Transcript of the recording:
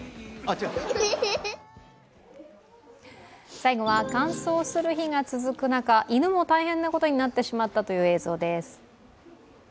最後は、乾燥する日が続く中犬も大変なことになってしまったという映像です。